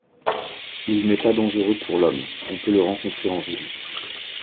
Il n'est pas dangereux pour l'homme, on peut le rencontrer en ville.